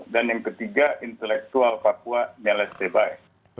dan yang ketiga intelektual papua nyalet sebae